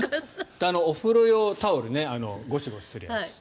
お風呂用タオルごしごしするやつ。